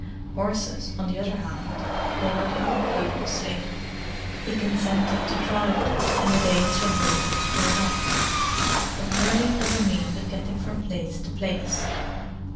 Horses, on the other hand, bored him hopelessly; he consented to drive them, in the days when motors were not, but merely as a means of getting from place to place.